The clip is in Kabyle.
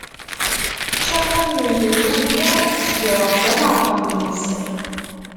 Ččiɣ tament d wudi, ssegreɣ amerɣennis.